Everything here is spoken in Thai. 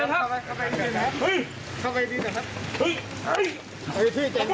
แต่เกรงกลัวไหมบ้างครับ